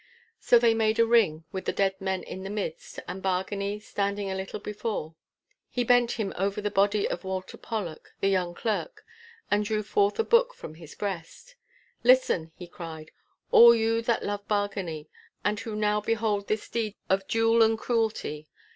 So they made a ring, with the dead men in the midst, and Bargany standing a little before. He bent him over the body of Walter Pollock, the young clerk, and drew forth a book from his breast. 'Listen!' he cried, 'all you that love Bargany, and who now behold this deed of dule and cruelty.